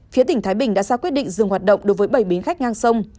phía tỉnh thái bình đã ra quyết định dừng hoạt động đối với bảy bến khách ngang sông